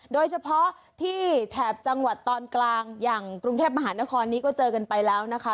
โดยเฉพาะที่แถบจังหวัดตอนกลางอย่างกรุงเทพมหานครนี้ก็เจอกันไปแล้วนะคะ